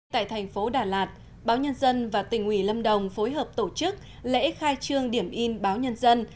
tại thành phố đà lạt báo nhân dân và tỉnh ủy lâm đồng phối hợp tổ chức lễ khai trương điểm in báo nhân dân